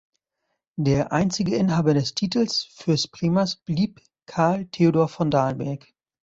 Der einzige Inhaber des Titels Fürstprimas blieb Karl Theodor von Dalberg.